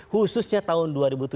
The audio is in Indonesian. khususnya tahun dua ribu tujuh belas